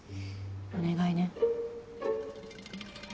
お願いね。